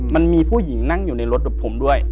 มันมีผู้หญิงนั่งอยู่ในรถกับผมด้วย